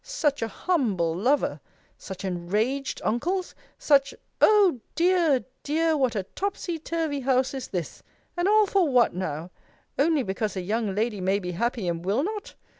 such a humble lover! such enraged uncles! such O dear! dear! what a topsy turvy house is this! And all for what, trow? only because a young lady may be happy, and will not?